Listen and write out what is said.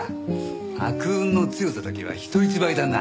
悪運の強さだけは人一倍だな。